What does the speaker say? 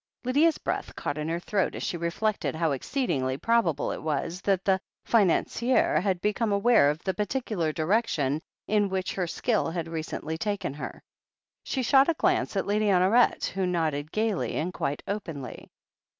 Lydia's breath caught in her throat as she reflected how exceedingly probable it was that the financier had become aware of the particular direction in which her skill had recently taken her. She shot a glance at Lady Honoret, who nodded gaily and quite openly.